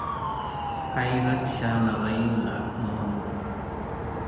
ሐይረት ሻነቀዩ - ለአክማመ፣